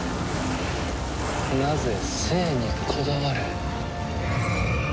なぜ生にこだわる？